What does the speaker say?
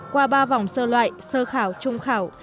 qua ba vòng sơ loại sơ khảo trung khảo